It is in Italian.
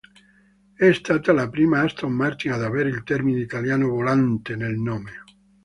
È stata la prima Aston Martin ad avere il termine italiano "Volante" nel nome.